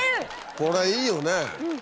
これいいよね。